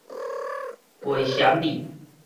袂嫌得